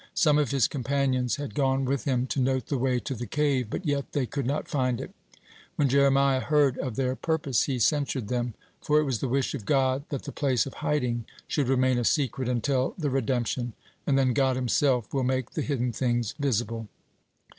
Some of his companions had gone with him to note the way to the cave, but yet they could not find it. (60) When Jeremiah heard of their purpose, he censured them, for it was the wish of God that the place of hiding should remain a secret until the redemption, and then God Himself will make the hidden things visible.